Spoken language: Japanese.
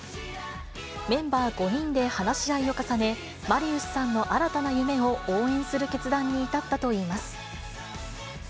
メンバー５人で話し合いを重ね、マリウスさんの新たな夢を応援する決断に至ったといいます。